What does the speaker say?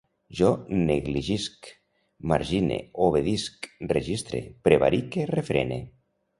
Jo negligisc, margine, obsedisc, registre, prevarique, refrene